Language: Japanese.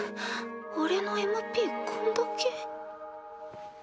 俺のＭＰこんだけ？